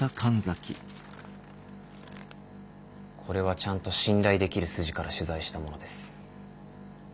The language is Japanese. これはちゃんと信頼できる筋から取材したものです。